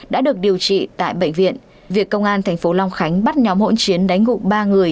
đã được điều trị tại bệnh viện việc công an thành phố long khánh bắt nhóm hỗn chiến đánh gục ba người